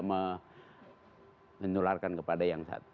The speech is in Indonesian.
menularkan kepada yang